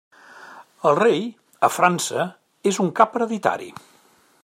El rei, a França, és un cap hereditari.